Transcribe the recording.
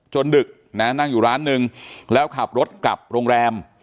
ดึกนะนั่งอยู่ร้านนึงแล้วขับรถกลับโรงแรม